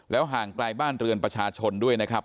ห่างไกลบ้านเรือนประชาชนด้วยนะครับ